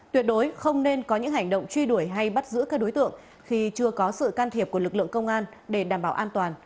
tuyệt đối không nên có những hành động truy đuổi hay bắt giữ các đối tượng khi chưa có sự can thiệp của lực lượng công an để đảm bảo an toàn